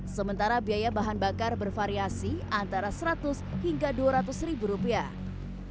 sementara biaya bahan bakar bervariasi antara seratus hingga dua ratus ribu rupiah